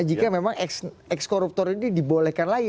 jika memang ex koruptor ini dibolehkan lagi